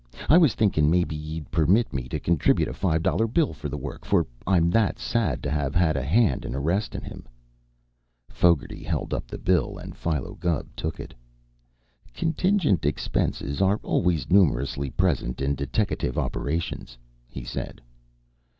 I was thinkin' maybe ye'd permit me t' contribute a five dollar bill t' th' wurrk, for I'm that sad t' have had a hand in arristin' him." Fogarty held up the bill and Philo Gubb took it. "Contingent expenses are always numerously present in deteckative operations," he said.